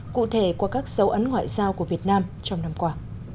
cụ thể qua các dấu ấn ngoại giao của việt nam trong năm qua